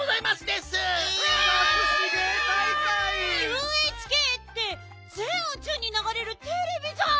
ＵＨＫってぜんうちゅうにながれるテレビじゃん！